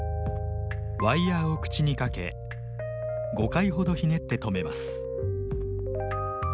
ワイヤーを口に掛け５回ほどひねって留めます。